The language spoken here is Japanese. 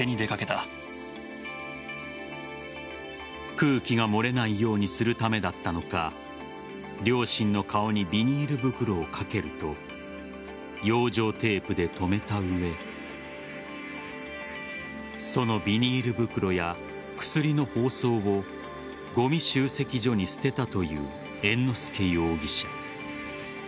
空気が漏れないようにするためだったのか両親の顔にビニール袋をかけると養生テープで止めた上そのビニール袋や薬の包装をごみ集積所に捨てたという猿之助容疑者。